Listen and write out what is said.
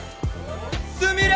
すみれ！